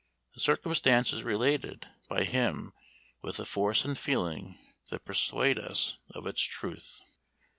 The circumstance is related by him with a force and feeling that persuade us of its truth.